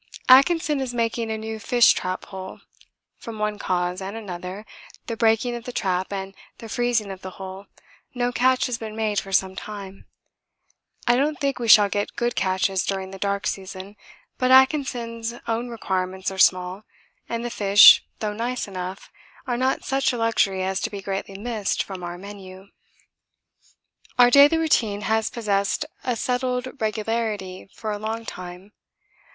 Atkinson is making a new fish trap hole; from one cause and another, the breaking of the trap, and the freezing of the hole, no catch has been made for some time. I don't think we shall get good catches during the dark season, but Atkinson's own requirements are small, and the fish, though nice enough, are not such a luxury as to be greatly missed from our 'menu.' Our daily routine has possessed a settled regularity for a long time.